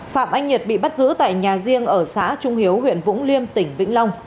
phạm anh nhật bị bắt giữ tại nhà riêng ở xã trung hiếu huyện vũng liêm tỉnh vĩnh long